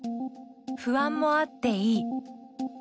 不安もあっていい。